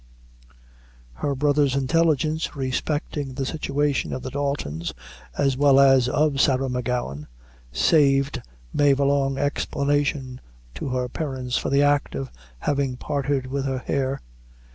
_" Her brother's intelligence respecting the situation of the Daltons, as well as of Sarah M'Gowan, saved Mave a long explanation to her parents for the act of having parted with her hair.